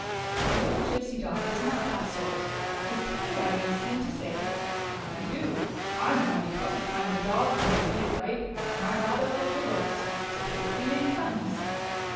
The little Gypsy dog was not that sort. His tail wagging seemed to say :" How do you do ? I'm a mighty pleasant kind of a dog when I am treated right, and I rather like your looks. Sup pose we make friends